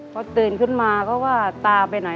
พอตื่นขึ้นมาก็ว่าตาไปไหน